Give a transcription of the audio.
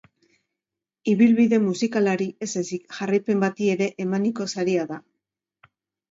Ibilbide musikalari ez ezik, jarraipen bati ere emaniko saria da.